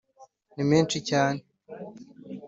ni menshi cyane"!